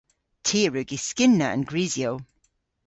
Ty a wrug yskynna an grisyow.